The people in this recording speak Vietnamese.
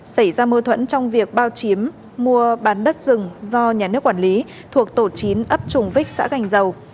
xảy ra mâu thuẫn trong việc bao chiếm mua bán đất rừng do nhà nước quản lý thuộc tổ chín ấp trùng vích xã gành dầu